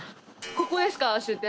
ここですか終点。